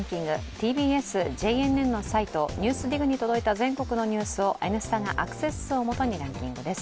ＴＢＳ・ＪＮＮのサイト「ＮＥＷＳＤＩＧ」に届いた全国のニュースを「Ｎスタ」がアクセス数を元にランキングです。